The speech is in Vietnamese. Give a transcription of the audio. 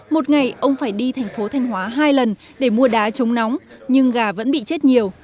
một ngày ông phải đi thành phố thanh hóa hai lần để mua đá chống nóng nhưng gà vẫn bị chết nhiều